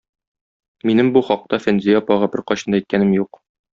Минем бу хакта Фәнзия апага беркайчан да әйткәнем юк.